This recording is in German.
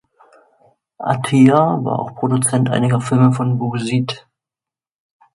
Attia war auch Produzent einiger Filme von Bouzid.